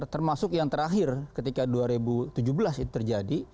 termasuk yang terakhir ketika dua ribu tujuh belas itu terjadi